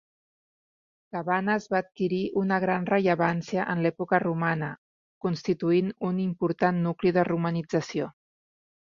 Cabanes va adquirir una gran rellevància en l'època romana, constituint un important nucli de romanització.